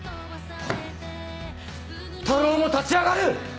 太郎も立ち上がる！